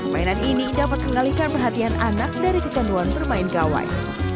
mainan ini dapat mengalihkan perhatian anak dari kecanduan bermain gawai